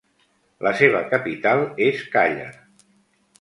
La seva capital és Càller.